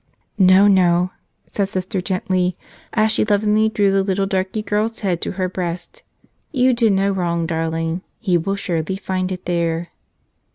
"No, no," said Sister gently, as she lovingly drew the little darky girl's head to her breast, "you did no wrong, darling. He will surely find it there."